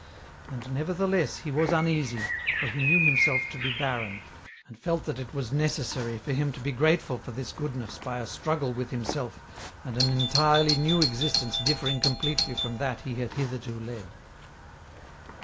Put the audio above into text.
And nevertheless he was uneasy, for he knew himself to be barren, and felt that it was necessary for him to be grateful for this goodness by a struggle with himself and an entirely new existence differing completely from that he had hitherto led.